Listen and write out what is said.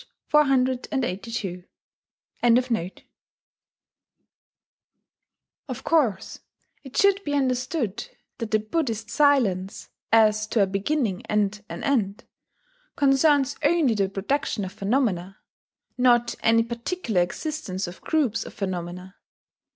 482.] Of course it should be understood that the Buddhist silence, as to a beginning and an end, concerns only the production of phenomena, not any particular existence of groups of phenomena.